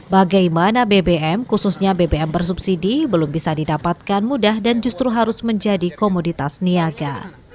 bagaimana bbm khususnya bbm bersubsidi belum bisa didapatkan mudah dan justru harus menjadi komoditas niaga